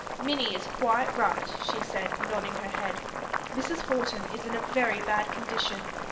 "Minnie is quite right," she said, nodding her head. "Mrs. Horton is in a very bad condition.